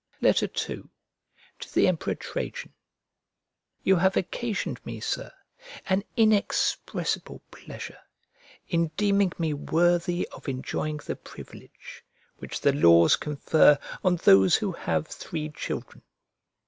II To THE EMPEROR TRAJAN You have occasioned me, Sir, an inexpressible pleasure in deeming me worthy of enjoying the privilege which the laws confer on those who have three children.